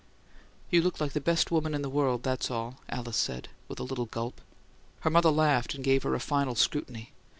"You look like the best woman in the world; that's all!" Alice said, with a little gulp. Her mother laughed and gave her a final scrutiny.